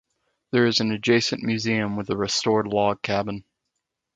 There is an adjacent museum with a restored log cabin.